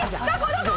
どこ？